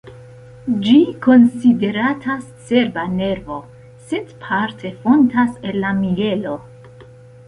Ĝi konsideratas cerba nervo, sed parte fontas el la mjelo.